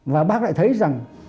và bác lại thấy rằng